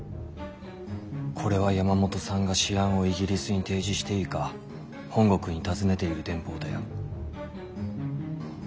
これは山本さんが私案をイギリスに提示していいか本国に尋ねている電報だよ。